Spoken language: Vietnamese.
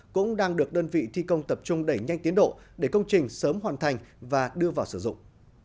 cũng đang được đơn vị thi công tập trung đẩy nhanh tiến độ để công trình sớm hoàn thành và đưa vào sử dụng